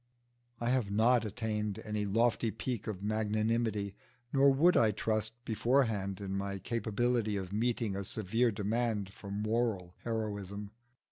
I have not attained any lofty peak of magnanimity, nor would I trust beforehand in my capability of meeting a severe demand for moral heroism.